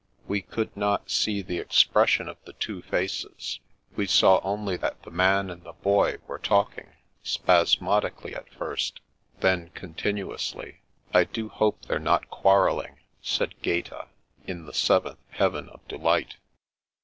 We could not see the expression of the two faces. We saw only that the man and the boy were talk ing, spasmodically at first, then continuously. " I do hope they're not quarrelling," said Gaeta, in the seventh heaven of deh'ght.